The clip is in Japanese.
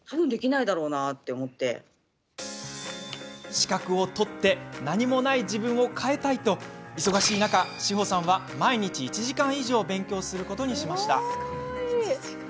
資格を取って、何もない自分を変えたいと、忙しい中志保さんは毎日１時間以上勉強することにしました。